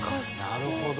なるほど。